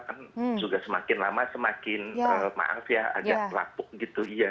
kan juga semakin lama semakin maaf ya agak lapuk gitu iya